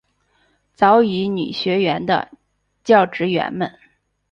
早乙女学园的教职员们。